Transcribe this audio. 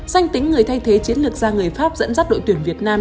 danh tính người thay thế chiến lược gia người pháp dẫn dắt đội tuyển việt nam